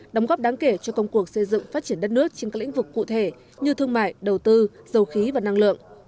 đóng góp đáng kể cho công cuộc xây dựng phát triển đất nước trên các lĩnh vực cụ thể như thương mại đầu tư dầu khí và năng lượng